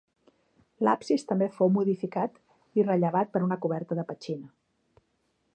L’absis també fou modificat i rellevat per una coberta de petxina.